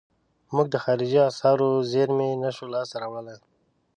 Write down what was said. موږ د خارجي اسعارو زیرمې نشو لاس ته راوړلای.